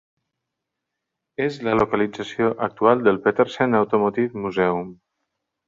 És la localització actual del Petersen Automotive Museum.